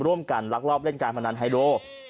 ร่วมกันรักรอบเล่นการพนันไฮโล